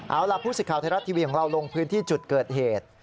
เอาล่ะผู้สิทธิ์ไทยรัฐทีวีของเราลงพื้นที่จุดเกิดเหตุ